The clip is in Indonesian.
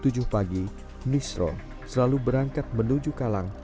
pukul tujuh pagi misro selalu berangkat menuju kalang